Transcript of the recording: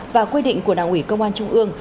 và quy định của đảng ủy công an trung ương